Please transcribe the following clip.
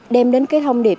đem đến cái thông điệp